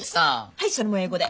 はいそれも英語で！